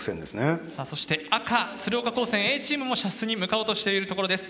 さあそして赤鶴岡高専Ａチームも射出に向かおうとしているところです。